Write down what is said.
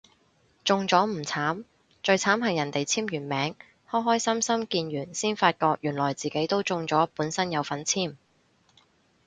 中咗唔慘，最慘係人哋簽完名開開心心見完先發覺原來自己都中咗本身有份簽